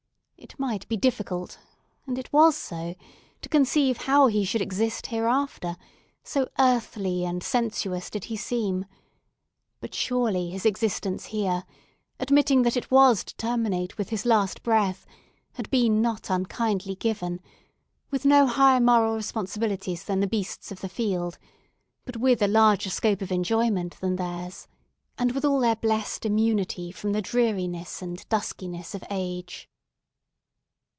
It might be difficult—and it was so—to conceive how he should exist hereafter, so earthly and sensuous did he seem; but surely his existence here, admitting that it was to terminate with his last breath, had been not unkindly given; with no higher moral responsibilities than the beasts of the field, but with a larger scope of enjoyment than theirs, and with all their blessed immunity from the dreariness and duskiness of age.